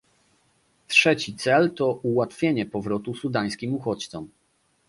Trzeci cel to ułatwienie powrotu sudańskim uchodźcom